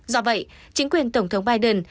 do vậy chính quyền tổng thống biden